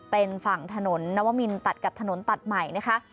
เป็นฝั่งถนนนวมินตัดกับถนนตัดใหม่นะคะ